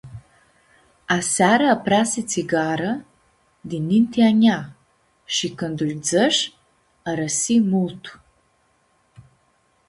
Aseara apreasi tsigarã di ninti a njea, shi cãndu lj-dzãsh, arãsi multu.